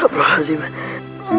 kamu juga yang lebih mencintai usahamu